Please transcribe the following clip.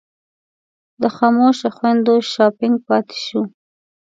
د خاموشو خویندو شاپنګ پاتې شو.